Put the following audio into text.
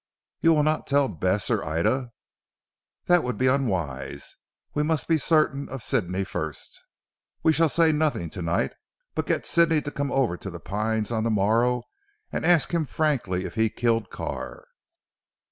"You will not tell Bess or Ida?" "That would be unwise. We must be certain of Sidney first. We shall say nothing to night, but get Sidney to come over to 'The Pines' on the morrow and ask him frankly if he killed Carr."